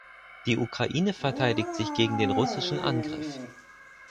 Die Ukraine verteidigt sich gegen den russischen Angriff.